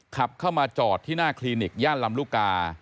ขับเข้ามาจอดที่หน้าคลินิกย่านลำลูกกา